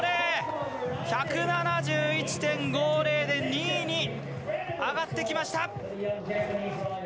１７１．５０で２位に上がってきました！